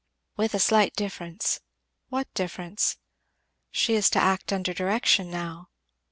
"With a slight difference." "What difference?" "She is to act under direction now."